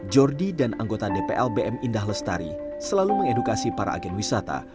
jordi dan anggota dplbm indah lestari selalu mengedukasi para agen wisata